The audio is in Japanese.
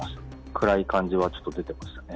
暗い感じはちょっと出てましたね。